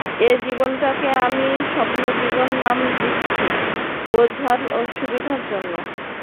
এই জীবনটাকে আমি স্বপ্নজীবন নাম দিচ্ছি বোঝার সুবিধের জন্যে।